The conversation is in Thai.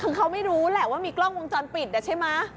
คือเขาไม่รู้แหละว่ามีกล้องวงจรปิดใช่ไหม